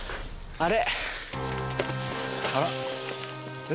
あれ。